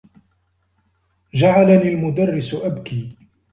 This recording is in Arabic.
جعلني المدرّس أبكي.